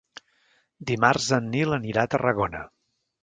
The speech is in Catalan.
Dimarts en Nil anirà a Tarragona.